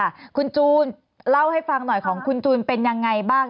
ค่ะคุณจูนเล่าให้ฟังหน่อยของคุณจูนเป็นยังไงบ้าง